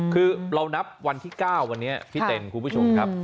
คือเรานับวันที่๙วันนี้พี่เต้นคุณผู้ชมครับ